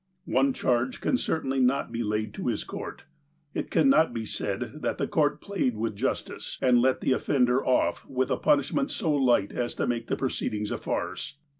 One charge can certainly not be laid to his court. It cannot be said that the court played with j ustice, and let the offender off with a punishment so light as to make the proceedings a farce.